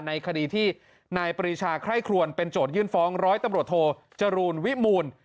ในคดีที่นายปรีชาไคร่ครวนเป็นโจทยื่นฟ้องร้อยตำรวจโทจรูลวิมูล